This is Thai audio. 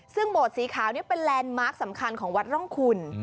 ซึ่งโบสถสีขาวนี่เป็นแลนด์มาร์คสำคัญของวัดร่องคุณ